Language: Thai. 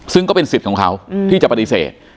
ซึ่งก็เป็นสิทธิ์ของเขาที่จะปฏิเสธ